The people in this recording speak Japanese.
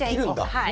はい。